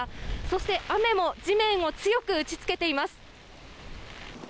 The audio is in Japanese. そして雨も地面を強く打ちつけています。